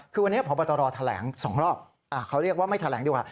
คือวันนี้พบตรแถลง๒รอบเขาเรียกว่าไม่แถลงดีกว่า